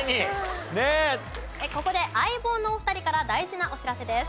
ここで『相棒』のお二人から大事なお知らせです。